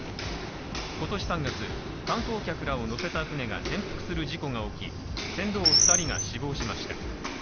今年３月、観光客らを乗せた船が転覆する事故が起き、船頭２人が死亡しました。